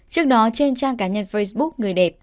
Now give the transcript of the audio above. trước đó trên trang cá nhân facebook người đẹp